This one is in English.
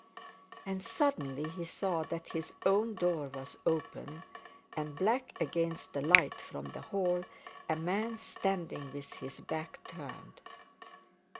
And suddenly he saw that his own door was open, and black against the light from the hall a man standing with his back turned.